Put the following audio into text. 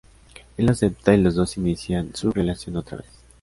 Él acepta, y los dos inician su relación otra vez.